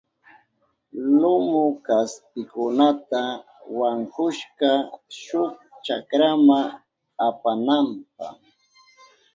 Lumu kaspikunata wankushka shuk chakrama apananpa.